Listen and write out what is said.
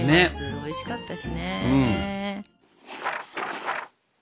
おいしかったしね。